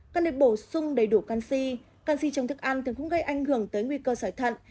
còn để bổ sung đầy đủ canxi canxi trong thức ăn thường không gây ảnh hưởng tới nguy cơ sỏi thận